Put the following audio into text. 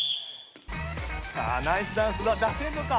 さあナイスダンスは出せるのか？